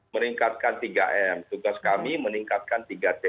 meningkatkan tiga m tugas kami meningkatkan tiga t